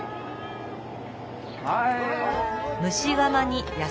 はい。